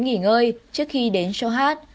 nghỉ ngơi trước khi đến show hát